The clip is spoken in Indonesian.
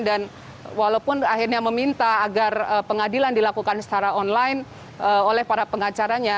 dan walaupun akhirnya meminta agar pengadilan dilakukan secara online oleh para pengacaranya